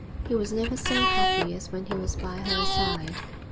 He was never so happy as when he was by her side.